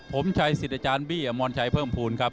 ผมชัยสิตญาจารย์บีอมรชัยเพิ่มพูล